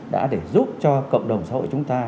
đã để giúp cho cộng đồng xã hội chúng ta